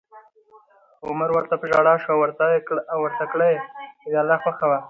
عمر ورته په ژړا شو او ورته کړه یې: که د الله خوښه وه